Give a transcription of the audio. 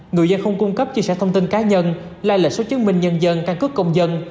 người dân không cung cấp chia sẻ thông tin cá nhân lại là số chứng minh nhân dân can cướp công dân